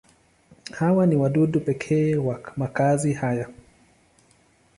Hawa ni wadudu pekee wa makazi haya.